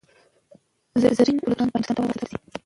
زرین ټوکران به هندوستان ته واستول شي.